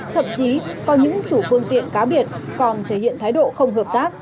thậm chí có những chủ phương tiện cá biệt còn thể hiện thái độ không hợp tác